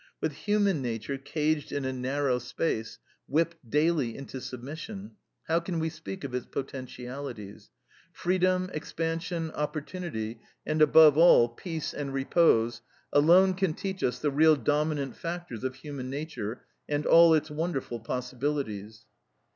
With human nature caged in a narrow space, whipped daily into submission, how can we speak of its potentialities? Freedom, expansion, opportunity, and, above all, peace and repose, alone can teach us the real dominant factors of human nature and all its wonderful possibilities.